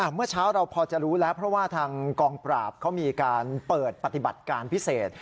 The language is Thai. เมื่อเช้าเราพอจะรู้แล้วเพราะว่าทางกองปราบเขามีการเปิดปฏิบัติการพิเศษ